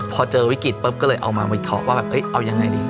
พอเจอวิกฤตปุ๊บก็เลยเอามาวิเคราะห์ว่าแบบเอายังไงดี